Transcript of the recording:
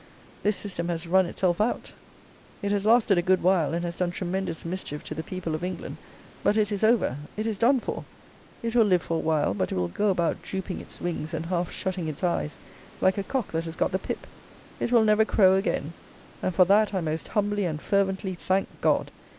This system has run itself out. It has lasted a good while, and has done tremendous mischief to the people of England; but it is over; it is done for; it will live for a while, but it will go about drooping its wings and half shutting its eyes, like a cock that has got the pip; it will never crow again; and for that I most humbly and fervently thank God!